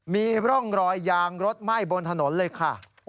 มีร่องรอยยางรถไหม้บนถนนเลยค่ะ